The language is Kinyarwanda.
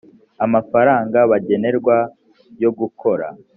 amafaranga bagenerwa yo gukora